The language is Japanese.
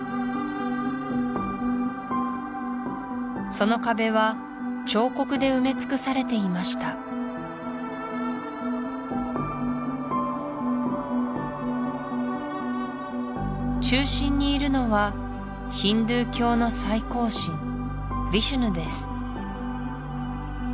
その壁は彫刻で埋め尽くされていました中心にいるのはヒンドゥ教の最高神ヴィシュヌです